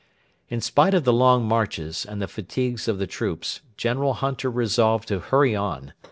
In spite of the long marches and the fatigues of the troops, General Hunter resolved to hurry on.